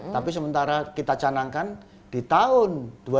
tapi sementara kita canangkan di tahun dua ribu dua puluh